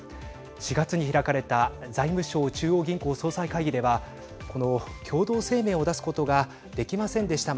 ４月に開かれた財務相・中央銀行総裁会議ではこの共同声明を出すことができませんでした。